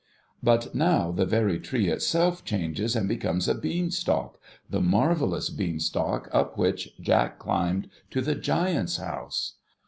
But, now, the very tree itself changes, and becomes a bean stalk — the marvellous bean stalk up which Jack climbed to the Giant's house